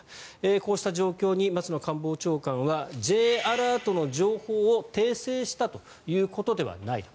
こうした状況に松野官房長官はＪアラートの情報を訂正したということではないと。